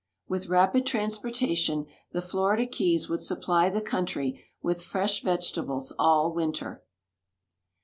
"With rapid transportation the Florida keys would supply the country with fresh vegetables all winter.